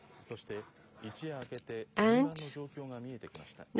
そして、一夜明けて沿岸の状況が見えてきました。